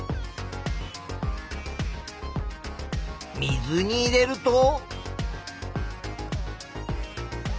水に入れると。